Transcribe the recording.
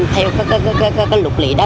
theo các lục lý đó